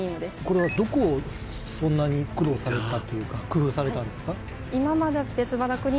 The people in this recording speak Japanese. これはどこをそんなに苦労されたというか工夫されたんですか？